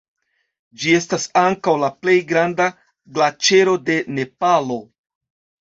Ĝi estas ankaŭ la plej granda glaĉero de Nepalo.